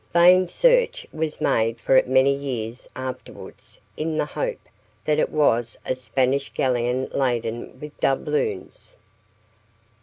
Vain search was made for it many years afterwards in the hope that it was a Spanish galleon laden with doubloons.